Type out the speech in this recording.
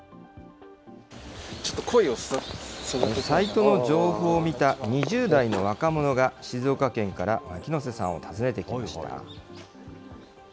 サイトの情報を見た２０代の若者が静岡県から牧之瀬さんを訪ねてきました。